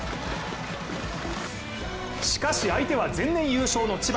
しかし、相手は前年優勝の千葉。